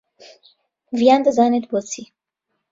ڤیان دەزانێت بۆچی.